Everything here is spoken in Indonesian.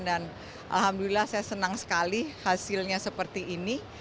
dan alhamdulillah saya senang sekali hasilnya seperti ini